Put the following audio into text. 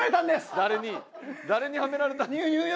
誰にハメられた？